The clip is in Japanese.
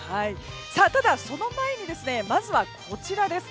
ただ、その前にまずはこちらです。